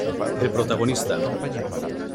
El protagonista.